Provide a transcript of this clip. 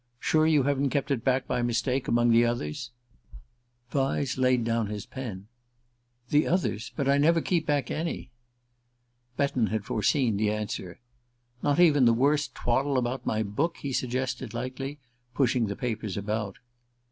Sure you haven't kept it back by mistake among the others?" Vyse laid down his pen. "The others? But I never keep back any." Betton had foreseen the answer. "Not even the worst twaddle about my book?" he suggested lightly, pushing the papers about.